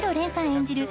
演じる